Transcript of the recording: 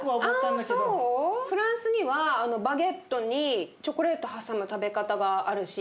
フランスにはバゲットにチョコレート挟む食べ方があるし板チョコをね。